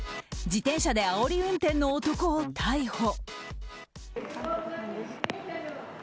自転車であおり運転の男を逮捕。